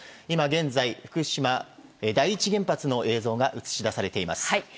今現在、福島第一原発の映像が映し出されています。